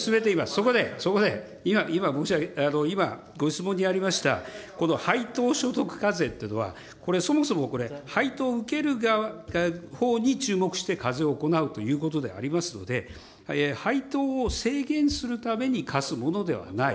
そこで、そこで、今、今、ご質問にありました、この配当所得課税っていうのは、これ、そもそもこれ、配当を受ける側、ほうに注目して課税を行うということでありますので、配当を制限するために課すものではない。